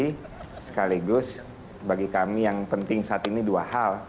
jadi sekaligus bagi kami yang penting saat ini dua hal